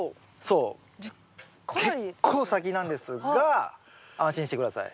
結構先なんですが安心して下さい。